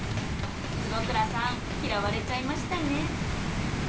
坪倉さん嫌われちゃいましたね。